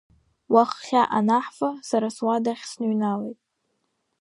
Уаххьа анаҳфа сара суадахь сныҩналеит.